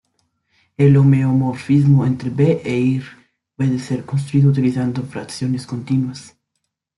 El homeomorfismo entre B e Ir puede ser construido utilizando fracciones continuas.